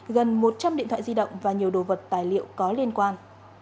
gần một trăm linh điện thoại di động và nhiều đồ vật tài liệu có liên quan